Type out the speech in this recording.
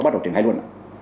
bắt đầu triển khai luôn